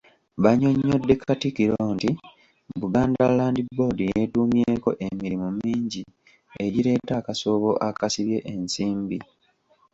Bannyonnyodde Katikkiro nti Buganda Land Board yeetuumyeeko emirimu mingi egireeta akasoobo akasibye ensimbi.